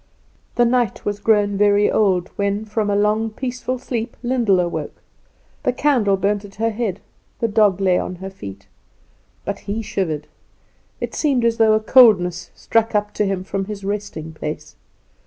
The night was grown very old when from a long, peaceful sleep Lyndall awoke. The candle burnt at her head, the dog lay on her feet; but he shivered; it seemed as though a coldness struck up to him from his resting place.